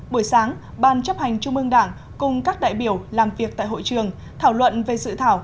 buổi sáng ban chấp hành chung bương đảng cùng các đại biểu làm việc tại hội trường thảo luận về sự thảo